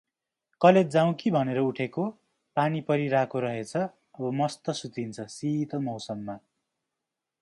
College जाउ कि भनेर उठेको, पानी परिराको रहेछ अब मस्त सुतिन्छ शितल मौसममा ।